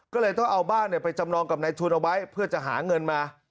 ก็เลยต้องเอาบ้านไปจำนองกับนายทุนเอาไว้เพื่อจะหาเงินมา